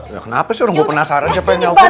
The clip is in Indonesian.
ya kenapa sih orang gue penasaran siapa yang nyalfie